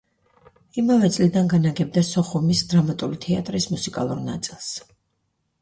იმავე წლიდან განაგებდა სოხუმის დრამატული თეატრის მუსიკალურ ნაწილს.